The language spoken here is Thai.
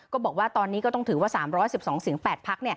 ก็บอกว่าตอนนี้ก็ต้องถือว่า๓๑๒เสียง๘พัก